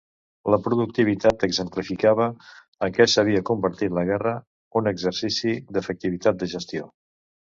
La productivitat exemplificava en què s'havia convertit la guerra: un exercici d'efectivitat de gestió.